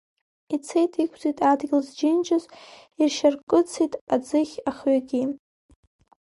Ицеит, иқәҵит адгьыл зџьынџьыз, иршьаркыцит аӡыхь ахҩагьы.